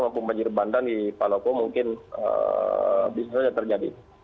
maupun banjir bandang di palopo mungkin bisa saja terjadi